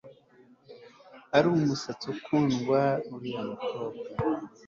Ari umusazi akunda uriya mukobwa